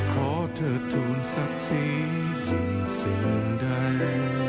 ขอเธอทูลศักดิ์สียิ่งสิ่งใด